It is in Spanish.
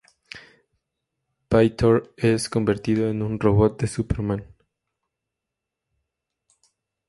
Pyotr es convertido en un robot de Superman.